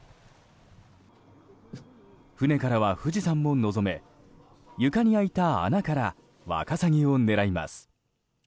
船からは富士山も望め床に開いた穴からワカサギを狙います。